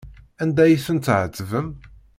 Anda ay ten-tɛettbem?